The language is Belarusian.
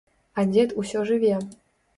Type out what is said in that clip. А дзед усё жыве.